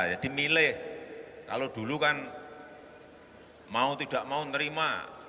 jadi milih kalau dulu kan mau tidak mau nerima